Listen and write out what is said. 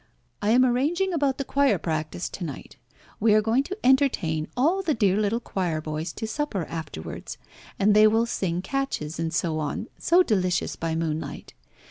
"I am arranging about the choir practice to night. We are going to entertain all the dear little choir boys to supper afterwards, and they will sing catches, and so on, so delicious by moonlight.